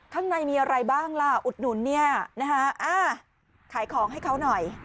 ข้างในมีอะไรบ้างล่ะอุดหนุนเนี่ยนะฮะขายของให้เขาหน่อย